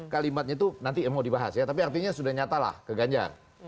kalimatnya itu nanti mau dibahas ya tapi artinya sudah nyata lah ke ganjar